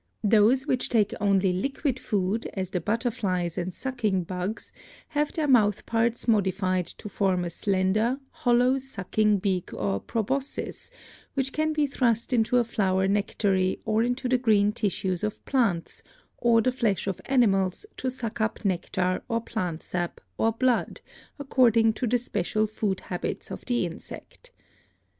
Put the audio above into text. Those which take only liquid food, as the butterflies and sucking bugs, have their mouth parts modified to form a slender, hollow sucking beak or proboscis, which can be thrust into a flower nectary or into the green tissues of plants or the flesh of animals to suck up nectar or plant •sap or blood, according to the special food habits of the ADAPTATION 269 insect.